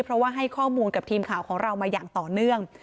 เพราะว่าให้ข้อมูลกับทีมข่าวของเรามาอย่างต่อเนื่อง